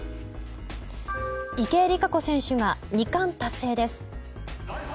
池江璃花子選手が２冠達成です。